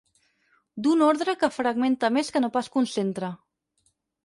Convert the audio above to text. D'un ordre que fragmenta més que no pas concentra.